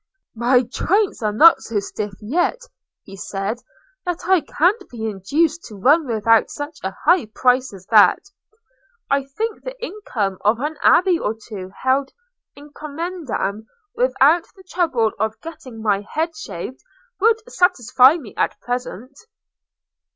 "My joints are not so stiff yet," he said, "that I can't be induced to run without such a high prize as that. I think the income of an abbey or two held 'in commendam,' without the trouble of getting my head shaved, would satisfy me at present."